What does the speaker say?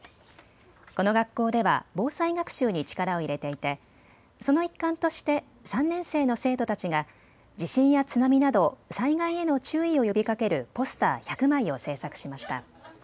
この学校では防災学習に力を入れていてその一環として３年生の生徒たちが地震や津波など災害への注意を呼びかけるポスター１００枚を制作しました。